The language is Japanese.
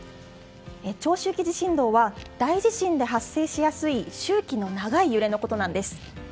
長周期地震動は大地震で発生しやすい周期の長い揺れのことなんです。